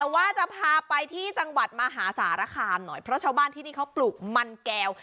แต่ว่าจะพาไปที่จังหวัดมหาสารคามหน่อยเพราะชาวบ้านที่นี่เขาปลูกมันแก้ว